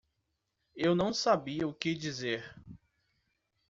Eu não sabia o que dizer.